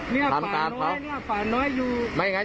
ไม่นุ่มครับไม่นุ่มครับ